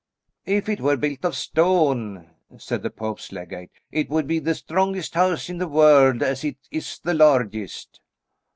"If it were built of stone," said the Pope's legate, "it would be the strongest house in the world as it is the largest."